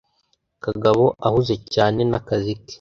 Kagabo ahuze cyane nakazi ke.